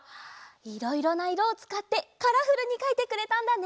いろいろないろをつかってカラフルにかいてくれたんだね！